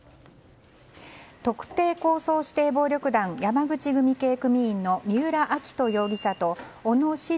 特定抗争指定暴力団山口組系組員の三浦亮人容疑者と小野子竜